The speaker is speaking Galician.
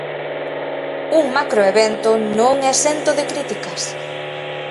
Un macro evento non exento de críticas.